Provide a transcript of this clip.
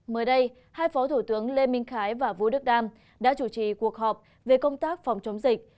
mới đây hai phó thủ tướng lê minh khái và vũ đức đam đã chủ trì cuộc họp về công tác phòng chống dịch